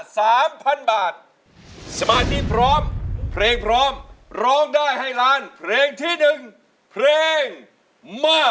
สามพันบาทสมาธิพร้อมเพลงพร้อมร้องได้ให้ล้านเพลงที่หนึ่งเพลงมา